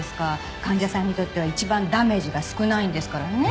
患者さんにとっては一番ダメージが少ないんですからねえ。